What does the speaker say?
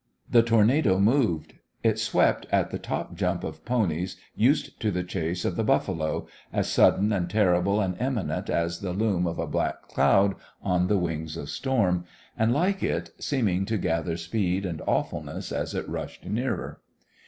The tornado moved. It swept at the top jump of ponies used to the chase of the buffalo, as sudden and terrible and imminent as the loom of a black cloud on the wings of storm, and, like it, seeming to gather speed and awfulness as it rushed nearer.